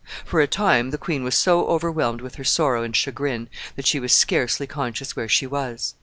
For a time the queen was so overwhelmed with her sorrow and chagrin that she was scarcely conscious where she was.